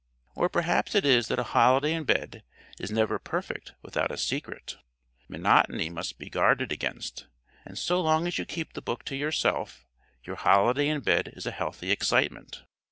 Or perhaps it is that a holiday in bed is never perfect without a secret. Monotony must be guarded against, and so long as you keep the book to yourself your holiday in bed is a healthy excitement.